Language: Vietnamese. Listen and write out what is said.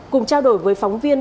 cùng trao đổi với phóng viên